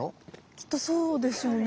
きっとそうでしょうね。